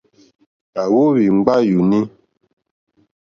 À wóhwì ŋɡbá yùùní.